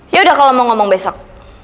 yaudah kalau mau ngomong besok